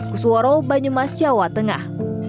kuswarao banyemas jawa tengah